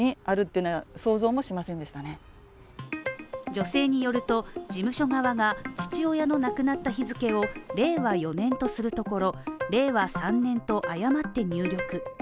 女性によると、事務所側が父親の亡くなった日付を令和４年とするところ、令和３年と誤って入力。